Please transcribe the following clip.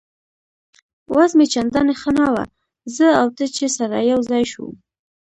وضع مې چندانې ښه نه وه، زه او ته چې سره یو ځای شوو.